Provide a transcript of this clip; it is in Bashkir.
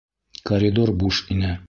Коридор буш ине.